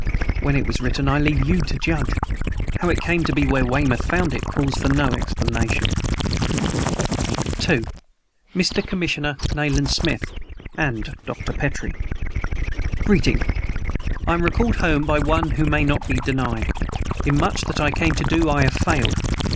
When it was written I leave you to judge. How it came to be where Weymouth found it calls for no explanation: "To Mr. Commissioner NAYLAND SMITH and Dr. PETRIE "Greeting! I am recalled home by One who may not be denied. In much that I came to do I have failed.